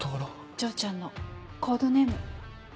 丈ちゃんのコードネーム。